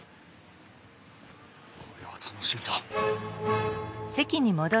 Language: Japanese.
これは楽しみだ！